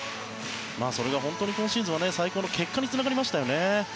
それが本当に今シーズンは最高の結果につながりましたよね。